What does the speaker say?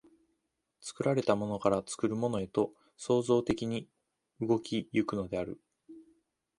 作られたものから作るものへと創造的に動き行くのである。